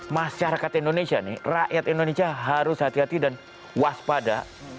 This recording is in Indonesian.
masyarakat indonesia nih rakyat indonesia harus hati hati dan waspada